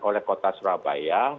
oleh kota surabaya